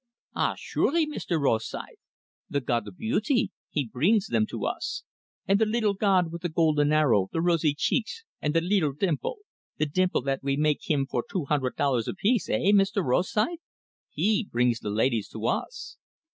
"Ah, surely, Meester Rosythe! The god of beautee, he breengs them to us! And the leetle god with the golden arrow, the rosy cheeks and the leetle dimple the dimple that we make heem for two hundred dollars a piece eh, Meester Rosythe? He breengs the ladies to us!"